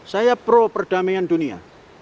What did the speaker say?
saya pro perdamaian dunia